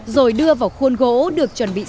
rồi đưa vào khuôn gỗ được chuẩn bị sạch